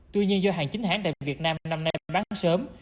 tuy nhiên do hàng chính hãng tại việt nam năm nay bán sớm